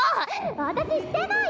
私してない！